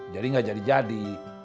jadi nggak jadi jadi